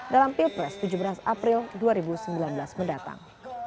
dalam pilpres tujuh belas april dua ribu sembilan belas mendatang